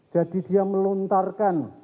jadi dia melontarkan